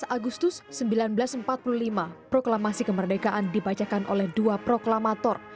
tujuh belas agustus seribu sembilan ratus empat puluh lima proklamasi kemerdekaan dibacakan oleh dua proklamator